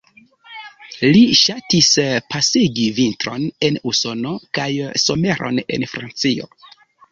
Li ŝatis pasigi vintron en Usono kaj someron en Francio.